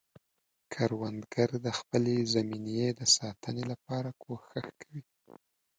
کروندګر د خپلې زمینې د ساتنې لپاره کوښښ کوي